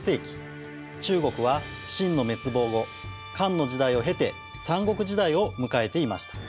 中国は秦の滅亡後漢の時代を経て三国時代を迎えていました。